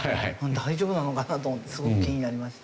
大丈夫なのかなと思ってすごく気になりました。